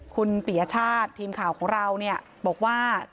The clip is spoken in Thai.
คุณปียชาติทีมข่าวของเราเนี่ยบอกว่า